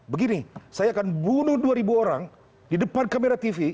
begini saya akan bunuh dua ribu orang di depan kamera tv